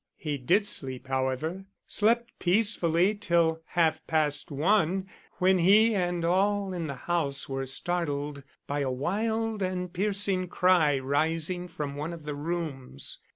He did sleep, however, slept peacefully till half past one, when he and all in the house were startled by a wild and piercing cry rising from one of the rooms.